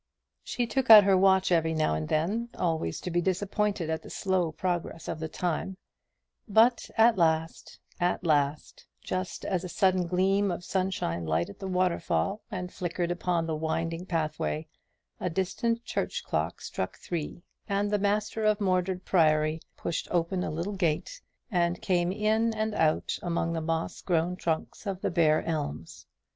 She took out her watch every now and then, always to be disappointed at the slow progress of the time; but at last at last just as a sudden gleam of sunshine lighted the waterfall, and flickered upon the winding pathway, a distant church clock struck three, and the master of Mordred Priory pushed open a little gate, and came in and out among the moss grown trunks of the bare elms.